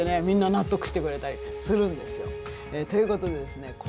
みんな納得してくれたりするんですよ。ということでですね